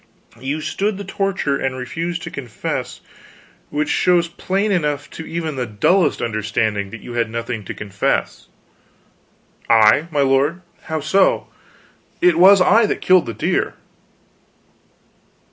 You stood the torture and refused to confess; which shows plain enough to even the dullest understanding that you had nothing to confess " "I, my lord? How so? It was I that killed the deer!"